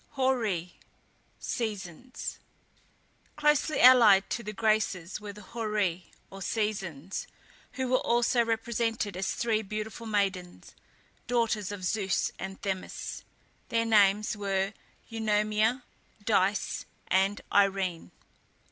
HORÆ (SEASONS). Closely allied to the Graces were the Horæ, or Seasons, who were also represented as three beautiful maidens, daughters of Zeus and Themis. Their names were Eunomia, Dice, and Irene.